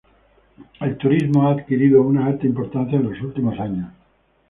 El turismo ha adquirido una alta importancia en los últimos años.